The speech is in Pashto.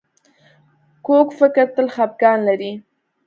کوږ فکر تل خپګان لري